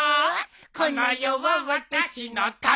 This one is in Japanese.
「この世は私のためにある」